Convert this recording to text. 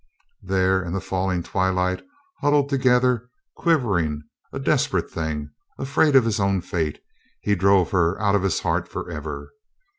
... There in the falling twilight, huddled together, quivering, a desperate thing, afraid of his own fate, he drove her out of his heart for ever.